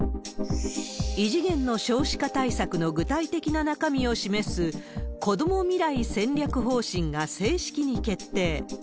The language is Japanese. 異次元の少子化対策の具体的な中身を示すこども未来戦略方針が正式に決定。